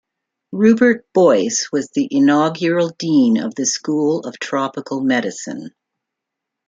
Rubert Boyce was the inaugural Dean of the School of Tropical Medicine.